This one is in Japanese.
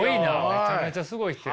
めちゃめちゃすごい人や。